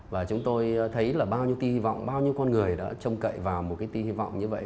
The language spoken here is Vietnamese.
và chúng tôi thấy là bao nhiêu tin hy vọng bao nhiêu con người đã trông cậy vào một cái tin hy vọng như vậy